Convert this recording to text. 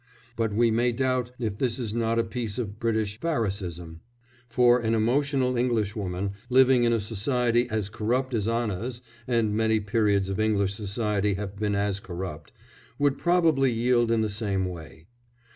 But we may doubt if this is not a piece of British Pharasaism, for an emotional Englishwoman, living in a society as corrupt as Anna's (and many periods of English society have been as corrupt), would probably yield in the same way.